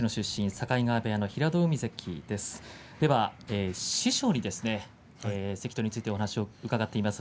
境川部屋の平戸海関です。